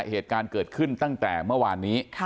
เหตุการณ์เกิดขึ้นตั้งแต่เมื่อวานนี้